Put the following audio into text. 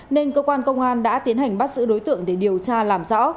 nên cơ quan công an đã tiến hành bắt giữ đối tượng để điều tra làm rõ